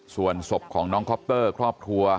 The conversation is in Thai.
ส่วนศพของน้องคอปเตอร์ครอบครัว